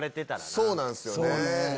そうなんすよね。